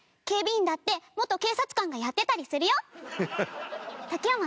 警備員だって元警察官がやってたりするよ。